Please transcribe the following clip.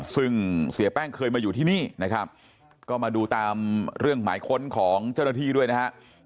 ซึ่งเสียแป้งเคยมาอยู่ที่นี่นะครับก็มาดูตามเรื่องหมายค้นของเจ้าหน้าที่ด้วยนะครับ